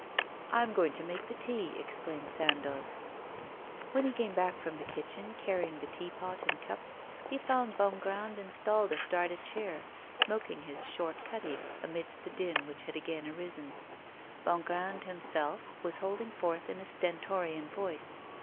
'I am going to make the tea,' exclaimed Sandoz. When he came back from the kitchen, carrying the teapot and cups, he found Bongrand installed astride a chair, smoking his short cutty, amidst the din which had again arisen. Bongrand himself was holding forth in a stentorian voice.